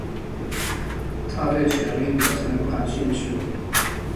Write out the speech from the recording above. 他对权力表现得不感兴趣。